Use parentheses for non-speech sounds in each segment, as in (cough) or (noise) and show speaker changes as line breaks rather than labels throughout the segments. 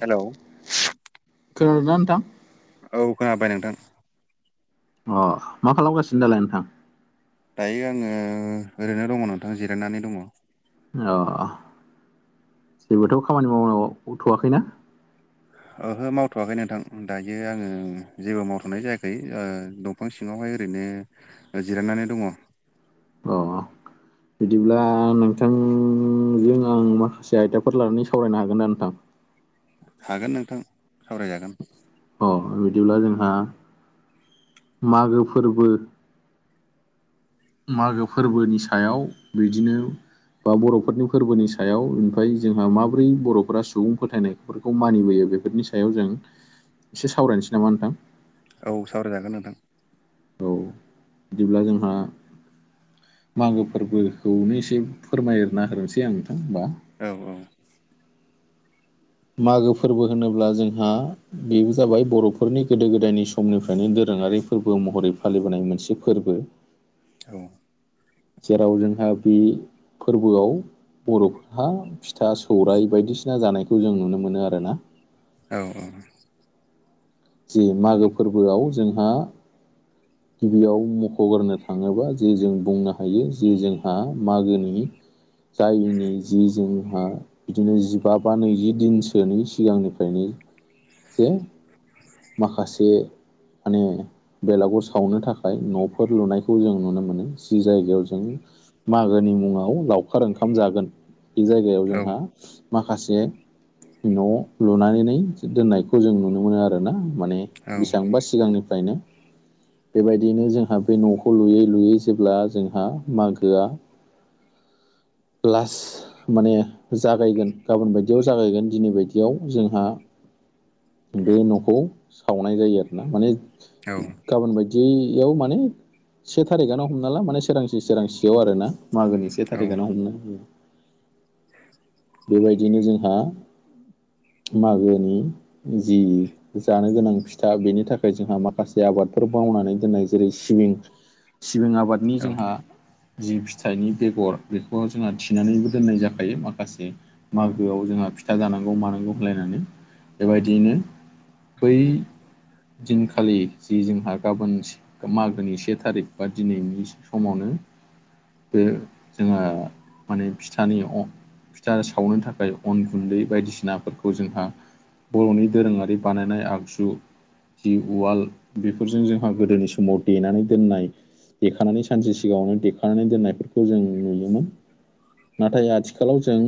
Hello
खोनादोंना नोंथां
औ खोनाबाय नोंथां
अ मा खालामगासिनो दालाय नोंथां
दायो आङो ओरैनो दङ नोंथां जिरायनानै दङ
अ जेबोथ' खामानि मावनोथ'वाखैना
ओहो मावथ'वाखै नोंथां दायो आङो जेबो मावथ'नाय जायाखै बिफां सिङावहाय ओरैनो जिरायनानै दङ
अ बिदिब्ला नोंथांजों आं माखासे आयदाफोर लानानै सावरायनो हागोन दा नोंथां
हागोन नोंथां सावरायजागोन
अ बिदिब्ला जोंहा मागो फोरबो मागो फोरबोनि सायाव बिदिनो बा बर'फोरनि फोरबोनि सायाव ओमफ्राय जोंहा माब्रै बर'फोरा सुबुं फोथायनाय फोरखौ मानिबोयो बेफोरनि सायाव जों एसे सावरायनोसै नामा नोंथां
औ सावरायजागोन नोंथां
औ बिदिब्ला जोंहा मागो फोरबोखौनो एसे फोरमायना होनोसै आं नोंथां होमबा
औ औ
मागो फोरबो होनोब्ला जोंहा बेबो जाबाय बर'फोरनि गोदो गोदायनि समनिफ्रायनो दोरोङारि फोरबो महरै फालिबोनाय मोनसे फोरबो
दङ
जेराव जोंहा बे फोरबोआव बर'फोरहा फिथा सौराइ बायदिसिना जानायखौ जों नुनो मोनो आर ना
औ औ
जे मागो फोरबोआव जोंहा गिबियाव मख'गोरनो थाङोबा जे जों बुंनो हायो जे जोंहा मागोनि जायिनि जि जोंहा बिदिनो जिबा बा नैजि दिनसोनि सिगांनिफ्रायनो जे माखासे माने बेलागाव सावनो थाखाय न'फोर लुनायखौ जों नुनो मोनो जि जायगायाव जों मागोनि मुङाव लावखार ओंखाम जागोन बे जायगायाव
औ
जोंहा माखासे न' लुनानै दोननायखौ जों नुनो मोनो आरो ना माने बेसेबांबा सिगांनिफ्रायनो बेबायदिनो जोंहा बे न'खौ लुयै लुयै जेब्ला जोंहा मागोआ लास माने जागायगोन गाबोन बायदियाव जागायगोन दिनै बायदियाव जोंहा बे न'खौ सावनाय जायो आरो ना माने
औ
गाबोन बायदि जियाव माने से थारिखनो हमना ला माने सोरांसे सोरांसेयाव आर ना मागोनि से
औ
थारिखानो हमनो हो बेबायदिनो जोंहा मागोनि जि जानो गोनां फिथा बेनि थाखाय जोंहा माखासे आबादफोर मावनानै दोननाय जेरै सिबिं सिबिं आबाद नि
औ
जोंहा जि फिथाइनि बेगर बेखौ जोंहा थिनानैबो दोननाय जाखायो माखासे
औ
मागोआव जोंहा फिथा जानांगौ मानांगौ होनलायनानै बेबायदियैनो बै दिनखालि जि जोंहा गाबोन मागोनि से थारिख बा दिनैनि स-समावनो बे जोंहा माने फिथानि अ फिथा सावनो थाखाय अन गुन्दै बायदिसिनाफोरखौ जोंहा बर'नि दोरोङारि बानायनाय आगजु जि उवाल बेफोरजों जोंहा गोदोनि समाव देनानै दोननाय देखानानै सानसे सिगाङावनो देखानानै दोननायफोरखौ जों नुयोमोन। नाथाय आथिखालाव जों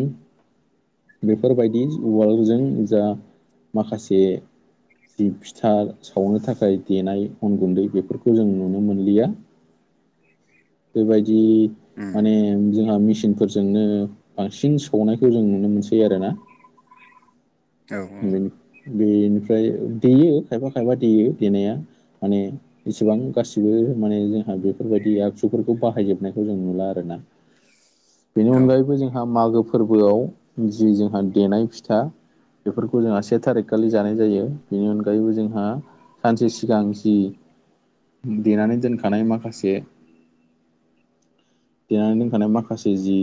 बेफोरबायदि उवालजों जा माखासे जि फिथा सावनो थाखाय देनाय अन गुन्दै बेफोरखौ जों नुनो मोनलिया। बेबायदि
उम
माने जोंहा मेसिनफोरजोंनो बांसिन सौनायखौ जों नुनो मोनसै आरोना।
औ
बेनि बेनिफ्राय देयो खायफा खायफा देयो देनाया माने इसेबां गासिबो माने जोंहा बेफोरबायदि आगजुफोरखौ बाहायजोबनायखौ जों नुला आरोना। बेनि
औ
अनगायैबो जोंहा मागो फोरबोआव जि जोंहा देनाय फिथा बेफोरखौ जोंहा से थारिखखालि जानाय जायो बेनि अनगायैबो जोंहा सानसे सिगां जि देनानै दोनखानाय माखासे देनानै दोनखानाय माखासे जि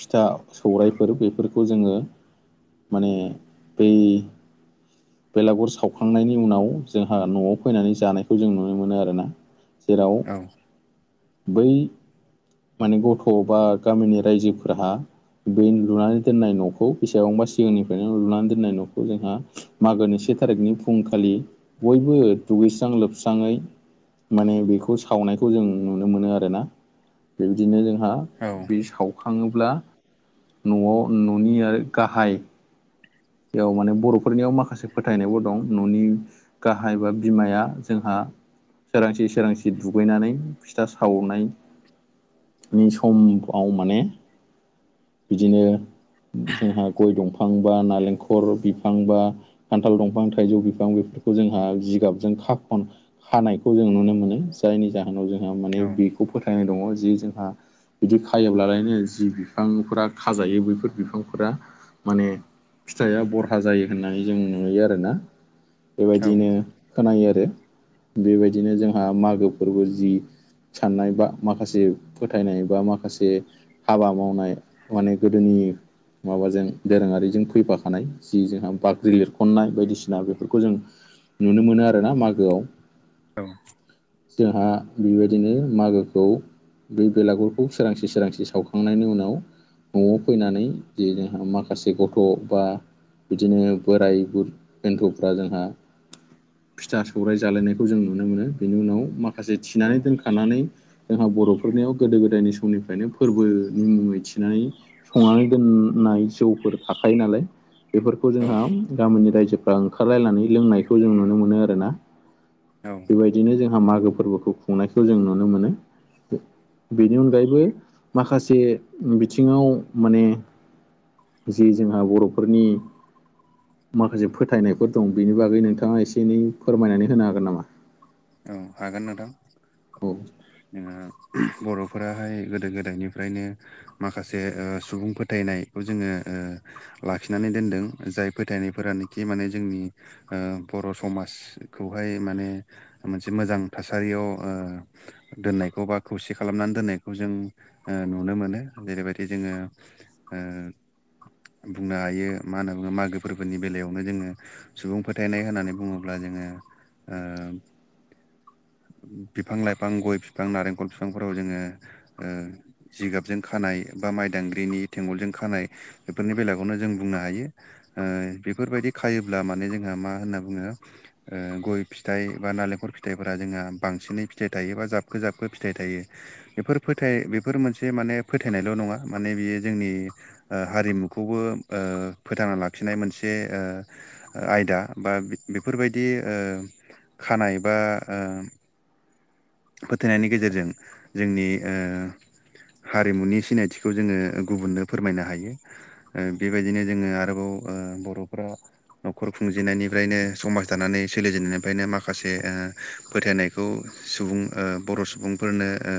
फिथा सौराइफोर बेफोरखौ जोङो माने बै बेलागुर सावखांनायनि उनाव जोंहा न'आव फैनानै जानायखौ जों नुनो मोनो आरोना। जेराव
औ
बै माने गथ' बा गामिनि रायजोफोरहा बे लुनानै दोननाय न'खौ बेसेबांबा सिगांनिफ्रायनो लुनानै दोननाय न'खौ जोंहा मागोनि से थारिखनि फुंखालि बयबो दुगैस्रां लोबस्राङै माने बेखौ सावनायखौ जों नुनो मोनो आरोना बेबायदिनो जोंहा
औ
बे सावखाङोब्ला न'आव न'नि आरो गाहाय याव माने बर'फोरनियाव माखासे फोथायनायबो दं न'नि गाहाय बा बिमाया जोंहा सोरांसि सोरांसि दुगैनानै फिथा सावनाय नि समनिफ्राय माने बिदिनो जोंहा गय दंफां बा नालेंखर बिफांबा खान्थाल दंफां थाइजौ बिफां बेफोरखौ जोंहा जिगाबजों खाखन खानायखौ जों नुनो मोनो जायनि जाहोनाव जोंहा माने बेखौ फोथायनाय दङ जे जोंहा बिदि खायोब्लालायनो जि बिफांफोरा खाजायो बैफोर बिफांफोरा माने फिथाइया बरहा जायो होननानै जों नुयो आरोना
औ
बेबायदिनो खोनायो आरो। बेबायदिनो जोंहा मागो फोरबो जि साननाय बा माखासे फोथायनाय बा माखासे हाबा मावनाय माने गोदोनि माबाजों दोरोङारिजों फैफा खानाय जि जोंहा बाख्रि लिरखननाय बायदिसिना बेफोरखौ जों नुनो मोनो आरोना मागोआव।
औ।
जोंहा बेबायदिनो मागोखौ बै बेलागुरखौ सोरांसि सोरांसि सावखांनायनि उनाव न'आव फैनानै जे जोंहा माखासे गथ' बा बिदिनो बोराय बुर बेन्थ'फ्रा जोंहा फिथा सौराय जालायनायखौ जों नुनो मोनो बेनि उनाव माखासे थिनानै दोनखानानै जोंहा बर'फोरनियाव गोदो गोदायनि समनिफ्रायनो फोरबोनि मुङै थिनानै संनानै दोननाय जौफोर थाखायो नालाय बेफोरखौ जोंहा गामिनि रायजोफ्रा ओंखारलायनानै लोंनायखौ जों नुनो मोनो आरोना।
औ
बेबायदिनो जोंहा मागो फोरबोखौ खुंनायखौ जों नुनो मोनो। बिनि अनगायैबो माखासे बिथिङाव माने जि जोंहा बर'फोरनि माखासे फोथायनायफोर दं बिनि बागै नोंथाङा एसे एनै फोरमायनानै होनो हागोन नामा?
औ हागोन नोंथां।
औ
जोंहा बर'फोराहाय गोदो गोदायनिफ्रायनो माखासे उह सुबुं फोथायनायखौ जोङो उह लाखिनानै दोनदों जाय फोथायनायफोरानो जि माने जोंनि उह बर' समाजखौहाय माने मोनसे मोजां थासारियाव उह दोननायखौ बा खौसे खालामनानै दोननायखौ जों ओ नुनो मोनो जेरैबायदि जोङो ओ बुंनो हायो मा होनना बुङो मागो फोरबोनि बेलायावनो जोङो सुबुं फोथायनाय होननानै बुङोब्ला जोङो ओ बिफां लाइफां गय बिफां नारेंखल बिफांफोराव जोङो ओ जिगाबजों खानाय बा माइदांग्रिनि थेंगलजों खानाय बेफोरनि बेलायावनो जों बुंनो हायो। ओ बेफोरबायदि खायोब्ला माने जोंहा मा होनना बुङो उह गय फिथाइ बा नालेंखर फिथाइफोरा जोंहा बांसिनै फिथाइ थायोबा जाबखो जाबखो फिथाइ थायो। बेफोर फोथाय बेफोर मोनसे माने फोथायनायल' नङा माने बियो जोंनि ओ हारिमुखौबो ओ फोथांना लाखिनाय मोनसे ओ आयदा बा बिफोरबायदि ओ खानाय बा ओ फोथनायनि गेजेरजों जोंनि ओ हारिमुनि सिनायथिखौ जोङो गुबुननो फोरमायनो हायो। ओ बेबायदिनो जोङो आरोबाव ओ बर'फोरा न'खर खुंजेननायनिफ्रायनो समाज दानानै सोलिजेननायनिफ्रायनो माखासे बे ओ फोथायनायखौ सुबुं ओ बर' सुबुंफोरनो ओ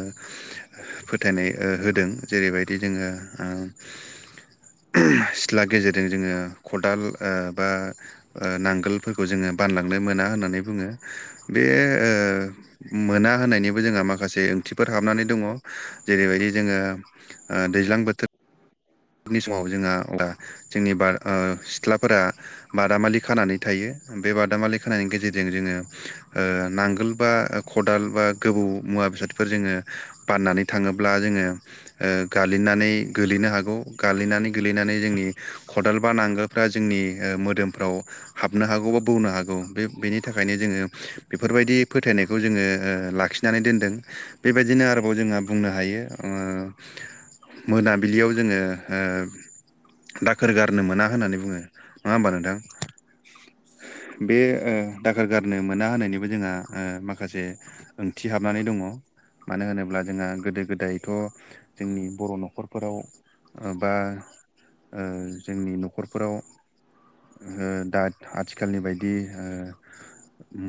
फोथायनाय ओ होदों जेरैबायदि जोङो ओ सिथ्ला गेजेरजों जोङो खदाल ओ बा ओ नांगोलफोरखौ जोङो बानलांनो मोना होननानै बुङो बे ओ मोना होननायनिबो जोंहा माखासे ओंथिफोर हाबनानै दङ। जेरैबायदि जोङो ओ दैज्लां बोथोर बे समाव जोंहा अब्ला जोंनि बार ओ सिथ्लाफोरा बादामालि खानानै थायो बे बादामालि खानायनि गेजेरजों जोङो ओ नांगोल बा खदाल बा गोबौ मुवा बेसादफोर जोङो बाननानै थाङोब्ला जोङो गालिनानै गोलैनो हागौ। गालिननानै गोलैनानै जोंनि खदाल बा नांगोलफ्रा जोंनि मोदोमफ्राव हाबनो हागौ बा बौनो हागौ बे बेनि थाखायनो जोङो बेफोरबायदि फोथायनायखौ जोङो लाखिनानै दोनदों। बेबायदिनो आरोबाव जोंहा बुंनो हायो ओ मोनाबिलियाव जोङो ओ दाखोर गारनो मोना होननानै बुङो नङा होमबा नोंथां? बे ओ दाखार गारनो मोना होननायनिबो जोंहा माखासे ओंथि हाबनानै दङ। मानो होनोब्ला जोंहा गोदो गोदायथ' जोंनि बर' न'खरफोराव बा ओ जोंनि न'खरफोराव - ओ दा आथिखालनि बायदि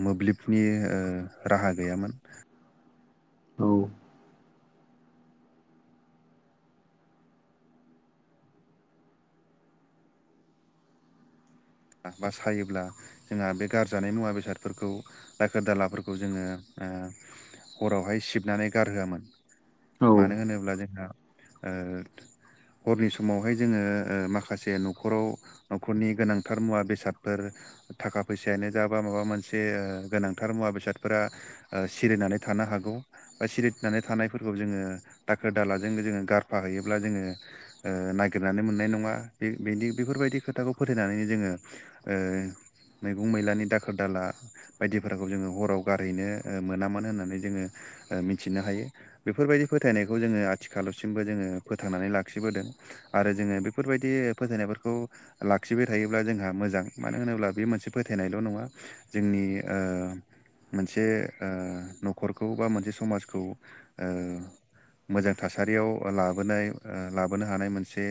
मोब्लिबनि ओ राहा गैयामोन।
औ
बा सायोब्ला जोंहा बे गारजानाय मुवा बेसादफोरखौ दाखोर दालाफोरखौ जोङो ओ हरावहाय सिबनानै गारहोआमोन।
औ
मानो होनोब्ला जोंहा ओ हरनि समावहाय जोङो माखासे न'खराव न'खरनि गोनां मुवा बेसादफोर थाखा फैसायानो जा बा माबा मोनसे गोनांथार मुवा बेसादफोरा सिरिनानै थानो हागौ बा सिरिदनानै थानायफोरखौ जोङो दाखोर दालाजों जोङो गारफाहैयोब्ला जोङो नागिरनानै मोननाय नङा बेनि बेफोरबायदि खोथाखौ फोथायनानै जोङो मैगं मैलानि दाखोर दाला बायदिफोरखौ जोङो हराव गारहैनो मोनामोन होननानै जोङो मिथिनो हायो बेफोरबायदि फोथायनायखौ जोङो आथिखालसिमबो जोङो फोथांनानै लाखिबोदों आरो जोङो बे बेफोरबायदि फोथायनायफोरखौ लाखिबो थायोब्ला जोंहा मोजां मानो होनोब्ला बे मोनसे फोथायनायल' नङा जोंनि मोनसे न'खरखौ बा मोनसे समाजखौ मोजां थासारियाव लाबोनाय लाबोनो हानाय मोनसे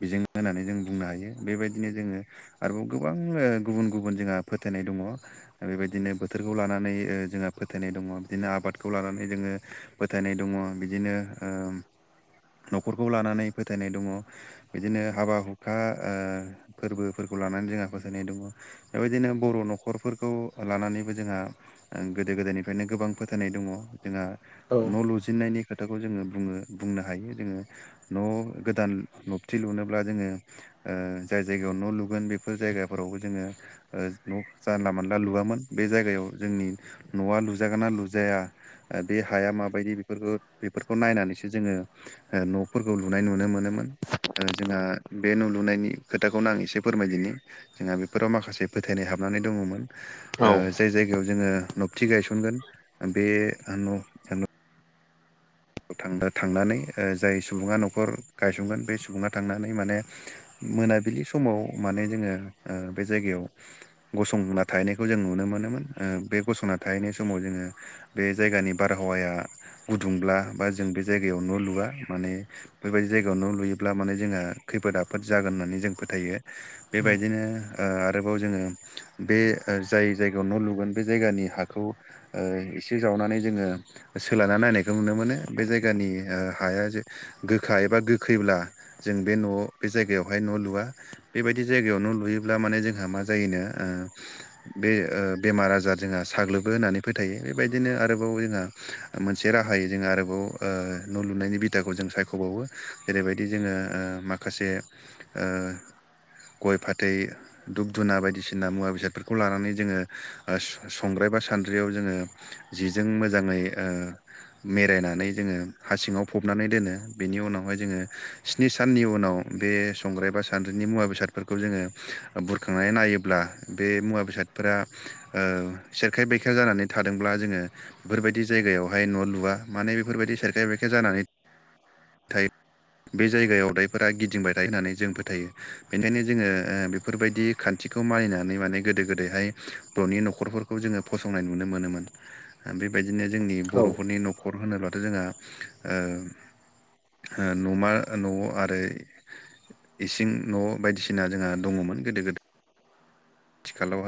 बेजों होननानै जों बुंनो हायो बेबायदि बिदिनो जोङो आरोबाव गोबां गुबुन गुबुन जोंहा फोथायनाय दङ बेबायदिनो बोथोरखौ लानानै जोंहा फोथायनाय दङ बिदिनो आबादखौ लानानै जोङो फोथायनाय दङ बिदिनो न'खरखौ लानानै फोथायनाय दङ बिदिनो हाबा हुखा फोरबोफोरखौ लानानै जोंहा फोथायनाय दङ बेबायदिनो बर' न'खरफोरखौ लानानैबो जोंहा गोदो गोदायनिफ्रायनो गोबां फोथायनाय दङ जोंहा
औ
न' लुजेननायनि खोथाखौ जोङो बुङो बुंनो हायो जोङो न' गोदान नबथि लुनोब्ला जोङो जाय जायगायाव न' लुगोन बेफोर जायगाफोरावबो जोङो न' जानला मोनानला लुवाममोन बे जायगायाव जोंनि न'आ लुजागोन ना लुजाया बे हाया माबायदि बेफोरखौ बेफोरखौ नायनानैसो जोङो न'फोरखौ लुनाय नुनो मोनोमोन जोंहा बे न' लुनायनि खोथाखौनो आं एसे फोरमायदिनि जोंहा बेफोराव माखासे फोथायनाय हाबनानै दङमोन
औ
जाय जायगायाव जोङो नबथि गायसनगोन बे न' थांनानै जाय सुबुङा न'खर गायसंगोन बे सुबुङा थांनानै माने मोनाबिलि समाव माने जोङो बे जायगायाव गसंना थाहैनायखौ जों नुनो मोनोमोन बे गसंना थाहैनाय समाव जोङो बे जायगानि बारहावाया गुदुंब्ला बा जों बे जायगायाव न' लुआ माने बेफोरबायदि जायगायाव न' लुयोब्ला माने जोंहा खैफोद आफोद जागोन होननानै जों फोथायो बेबायदिनो आरोबाव जोङो बे जाय जायगायाव न' लुगोन बे जायगानि हाखौ एसे जावनानै जोङो सोलायना नायनायखौ नुनो मोनो बे जायगानि हाया जे गोखा एबा गोखैब्ला जों बे न'आव बे जायगायावहाय न' लुआ बेबायदि जायगायाव न‌लुयोब्ला माने जोंहा मा जायोनो बे बेमार आजार जोंहा साग्लोबबो होननानै फोथायो बेबायदिनो आरोबाव जोंहा मोनसे राहायै जोंङा आरो न' लुनायनि बिथाखौ जों सायख'बावो जेरैबायदि जोङो माखासे गय फाथै दुप धुना बायदिसिना मुवा बेसादफोरखौ लानानै जोङो संग्राय बा सानद्रियाव जोङो जिजों मोजाङै ओ मेरायना नानै जोङो हा सिङाव फबनानै दोनो बेनि उनावहाय जोङो स्नि साननि उनाव बे संग्राय एबा सान्द्रिनि मुवा बेसादफोरखौ जोङो बुरखांनानै नायोब्ला बे मुवा बेसाद फोर सेरखाय बैखाय जानानै थादोंब्ला जोङो बेफोरबायदि जायगायावहाय न' लुवआ माने बेफोरबायदि सेरखाय बेरखाय जानानै थायो बे जायगायावदायफोरा गिदिंबाय थायो होननानै जों फोथायो बेनिखायनो जोङो बेफोरबायदि खान्थिखौ मानिनानै माने गोदो गोदायहाय बर'नि न'खरफोरखौ जोङो फसंनाय नुनो मोनोमोन
(unintelligible)
बेबायदिनो जोंनि
औ
बर'फोरनि न'खर होनोब्ला जोंहा ओ नमा न'आव आरो इसिं न' बायदिसिना जोंहा दङमोन गोदो गोदाय आथिखालावहाय